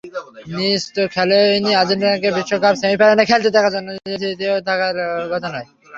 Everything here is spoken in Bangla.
নিজে তো খেলেনইনি, আর্জেন্টিনাকে বিশ্বকাপ সেমিফাইনাল খেলতে দেখার স্মৃতিও থাকার কথা নয়।